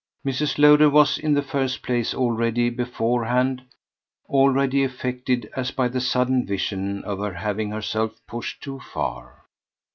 Mrs. Lowder was in the first place already beforehand, already affected as by the sudden vision of her having herself pushed too far.